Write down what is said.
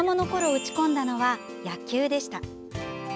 打ち込んだのは野球でした。